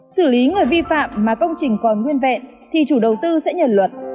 xử lý người vi phạm mà công trình còn nguyên vẹn thì chủ đầu tư sẽ nhận luật